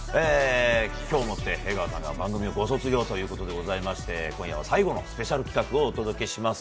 今日を持って江川さんが番組をご卒業ということでございまして今夜は最後のスペシャル企画をお届けします。